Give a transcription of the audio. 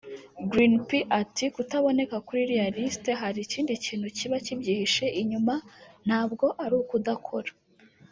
Green P ati “ Kutaboneka kuri iriya list hari ikindi kintu kiba kibyihishe inyuma ntabwo ari ukudakora